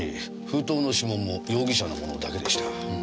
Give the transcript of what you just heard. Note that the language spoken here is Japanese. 封筒の指紋も容疑者のものだけでした。